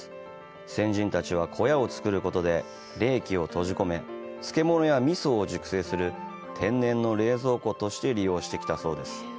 先人たちは小屋を作ることで冷気を閉じ込め、漬物や味噌を熟成する天然の冷蔵庫として利用してきたそうです。